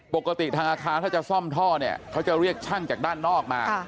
ปกติทางอาคารถ้าจะซ่อมท่อเนี่ยเขาจะเรียกช่างจากด้านนอกมา